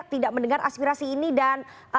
tidak mendengar aspirasi ini dan